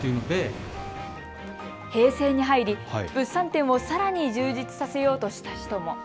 平成に入り、物産展をさらに充実させようとした人も。